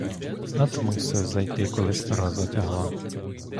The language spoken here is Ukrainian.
Ат, мусив зайти, коли стара затягла.